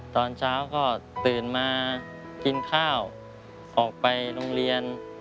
ตอนเช้าก็ตื่นมากินข้าวออกไปโรงเรียน